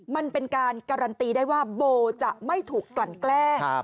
มันเป็นการการันตีได้ว่าโบจะไม่ถูกกลั่นแกล้ง